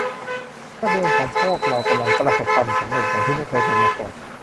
นักเรียนของพวกเรากำลังประสบความสำเร็จอย่างที่ไม่เคยเป็นมาก่อน